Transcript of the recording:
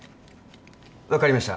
分かりました。